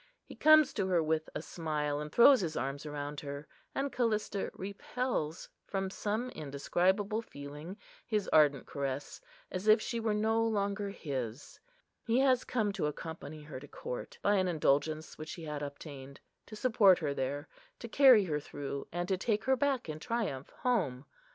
He comes to her with a smile, and throws his arms around her; and Callista repels, from some indescribable feeling, his ardent caress, as if she were no longer his. He has come to accompany her to court, by an indulgence which he had obtained; to support her there,—to carry her through, and to take her back in triumph home.